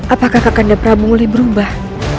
apakah kanda prabu mulai berubah